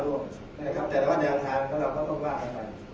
ว่าจะจะเห็นให้ค่อแควร